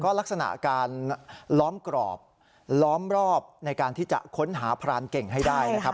ลักษณะการล้อมกรอบล้อมรอบในการที่จะค้นหาพรานเก่งให้ได้นะครับ